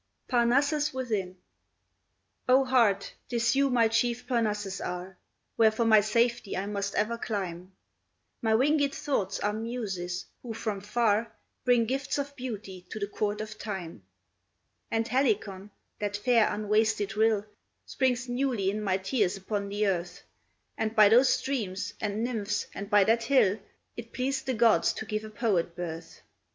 PARNASSUS WITHIN O heart, 'tis you my chief Parnassus are, Where for my safety I must ever climb. My wingèd thoughts are Muses, who from far Bring gifts of beauty to the court of Time; And Helicon, that fair unwasted rill, Springs newly in my tears upon the earth, And by those streams and nymphs, and by that hill, It pleased the gods to give a poet birth.